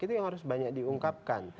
itu yang harus banyak diungkapkan